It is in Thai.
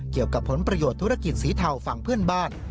เกี่ยวกับผลประโยชน์ธุรกิจสีเทาฝั่งเพื่อนบ้าน